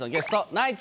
ナイツ！